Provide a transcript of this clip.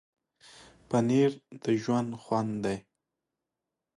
پنېر د ژوند خوند دی.